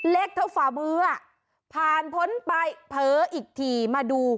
เล็กเท่าฝ่ามือผ่านพ้นไปเผลออีกทีมาดู